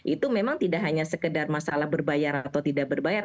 itu memang tidak hanya sekedar masalah berbayar atau tidak berbayar